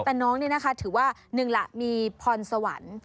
แต่น้องนี่นะคะถือว่าหนึ่งล่ะมีพรสวรรค์